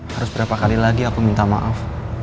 harus berapa kali lagi aku minta maaf